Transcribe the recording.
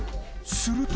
すると。